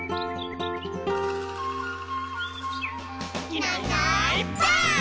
「いないいないばあっ！」